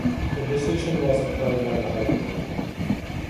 This decision was upheld by the High Court.